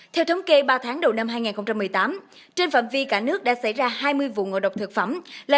theo thống kê ba tháng đầu năm hai nghìn một mươi tám trên phạm vi cả nước đã xảy ra hai mươi vụ ngộ độc thực phẩm